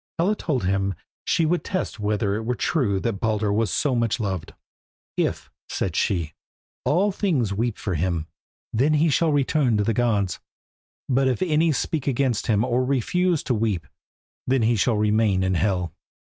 Hela told him she would test whether it were true that Baldur was so much loved. "If," said she, "all things weep for him, then he shall return to the gods, but if any speak against him or refuse to weep, then he shall remain in Hel."